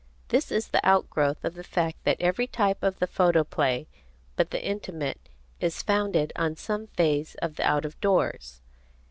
This is the outgrowth of the fact that every type of the photoplay but the intimate is founded on some phase of the out of doors.